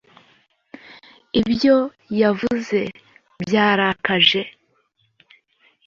ibyo yavuze byarakaje